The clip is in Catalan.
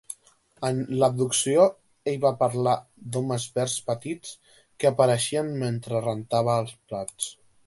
En l'"abducció", ell va parlar d'homes verds petits que apareixien mentre rentava els plats.